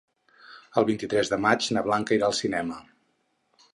El vint-i-tres de maig na Blanca irà al cinema.